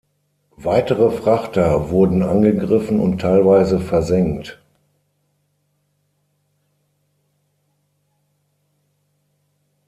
Weitere Frachter wurden angegriffen und teilweise versenkt.